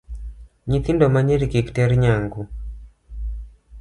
Nyithindo manyiri kik ter nyangu.